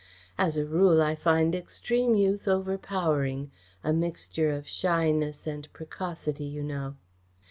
"As a rule I find extreme youth overpowering a mixture of shyness and precocity, you know."